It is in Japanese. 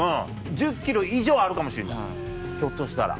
１０ｋｇ以上あるかもしれないひょっとしたら。